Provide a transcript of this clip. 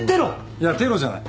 いやテロじゃない。